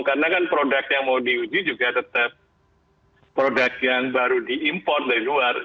karena kan produk yang mau diuji juga tetap produk yang baru diimport dari luar